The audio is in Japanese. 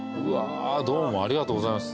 ありがとうございます。